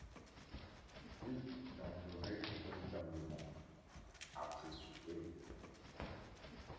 Oui, il en pleurait véritablement!... après souper.